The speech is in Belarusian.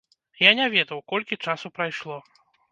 Я не ведаў, колькі часу прайшло.